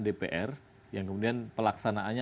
dpr yang kemudian pelaksanaannya